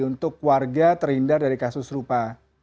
untuk warga terhindar dari kasus serupa